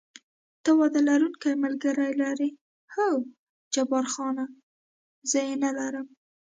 ته واده لرونکی ملګری لرې؟ هو، جبار خان: زه یې نه لرم.